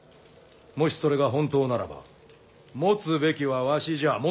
もしそれが本当ならば持つべきはわしじゃ。